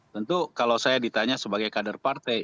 tentu kalau saya ditanya sebagai kader partai